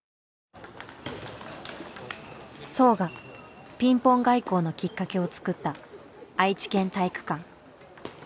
荘がピンポン外交のきっかけを作った愛知県体育館。